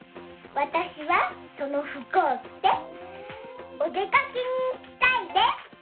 わたしはそのふくをきておでかけにいきたいです。